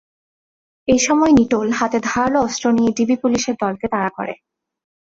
এ সময় নিটোল হাতে ধারালো অস্ত্র নিয়ে ডিবি পুলিশের দলকে তাড়া করে।